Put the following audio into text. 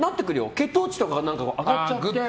血糖値とかが上がっちゃって。